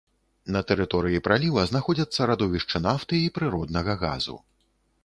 На тэрыторыі праліва знаходзяцца радовішчы нафты і прыроднага газу.